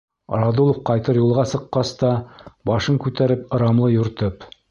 Радулов ҡайтыр юлға сыҡҡас та, башын күтәреп ырамлы юртып